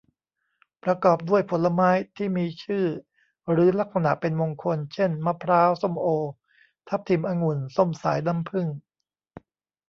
ประกอบด้วยผลไม้ที่มีชื่อหรือลักษณะเป็นมงคล เช่น มะพร้าว ส้มโอ ทับทิม องุ่น ส้มสายน้ำผึ้ง